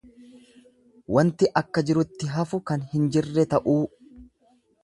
Wanti akka jirutti hafu kan hin jirre ta'uu.